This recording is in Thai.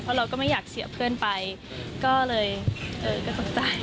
เพราะเราก็ไม่อยากเสียเพื่อนไปก็เลยเออก็สนใจ